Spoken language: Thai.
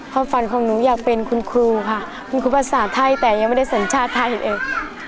ความฝันของหนูอยากเป็นคุณครูค่ะคุณครูภาษาไทยแต่ยังไม่ได้สัญชาติไทยเอง